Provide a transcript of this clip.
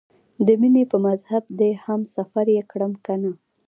د مینې په مذهب دې هم سفر یې کړم کنه؟